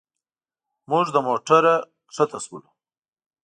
موږ له موټر ښکته شولو.